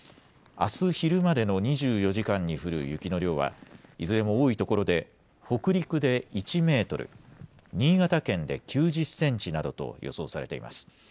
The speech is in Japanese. あす昼までの２４時間に降る雪の量はいずれも多いところで北陸で１メートル、新潟県で９０センチなどと予想されています。